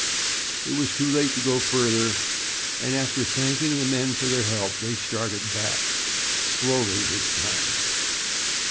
It was too late to go further, and after thanking the men for their help they started back slowly this time.